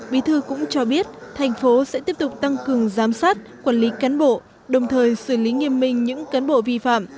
bí thư cũng cho biết thành phố sẽ tiếp tục tăng cường giám sát quản lý cán bộ đồng thời xử lý nghiêm minh những cán bộ vi phạm